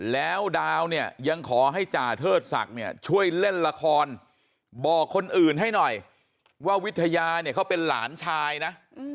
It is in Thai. แล้วดาวเนี่ยยังขอให้จ่าเทิดศักดิ์เนี่ยช่วยเล่นละครบอกคนอื่นให้หน่อยว่าวิทยาเนี่ยเขาเป็นหลานชายนะ